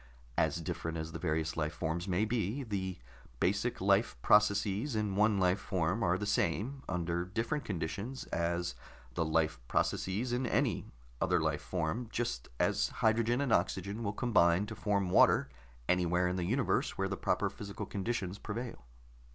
"As different as the various life forms may be, the basic life processes in one life form are the same, under different conditions, as the life processes in any other life form, just as hydrogen and oxygen will combine to form water anywhere in the universe where the proper physical conditions prevail."